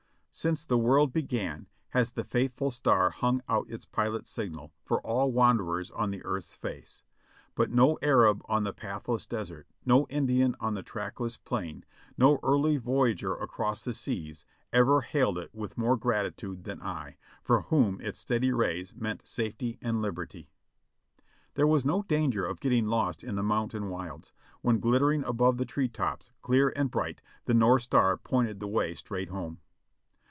Since the world began has the faithful star hung out its pilot signal for all wanderers on the earth's face; but no Arab on the pathless desert, no Indian on the trackless plain, no early voyager across the seas ever hailed it with more gratitude than I, for whom its steady rays meant safety and liberty. There was no danger of getting lost in the mountain wilds, when glittering above the tree tops, clear and bright, the north star pointed the way straight home.